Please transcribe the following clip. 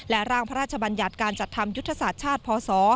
ร่างพระราชบัญญัติการจัดทำยุทธศาสตร์ชาติพศ